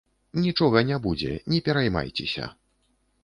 Нічога не будзе, не пераймайцеся.